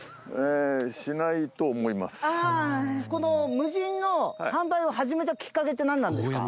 この無人の販売を始めたきっかけってなんなんですか？